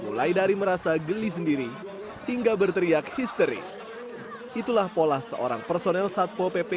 mulai dari merasa geli sendiri hingga berteriak histeris itulah pola seorang personel satpo pp